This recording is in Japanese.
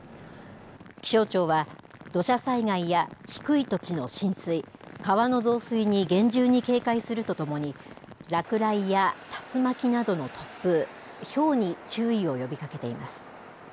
気象庁は、土砂災害や低い土地の浸水、川の増水に厳重に警戒するとともに、落雷や竜巻などの突風、ひょうに注意を呼びかけています。